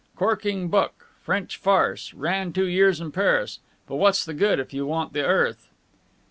Corking book. French farce. Ran two years in Paris. But what's the good, if you want the earth?"